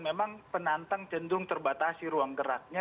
memang penantang cenderung terbatasi rumahnya